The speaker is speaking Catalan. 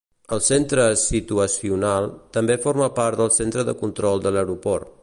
El "Centre Situacional" també forma part del centre de control de l'aeroport.